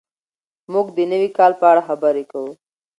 موږ د نوي کال په اړه خبرې کوو.